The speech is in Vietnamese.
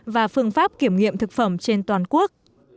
và phương pháp kiểm nghiệm thực phẩm trên toàn quốc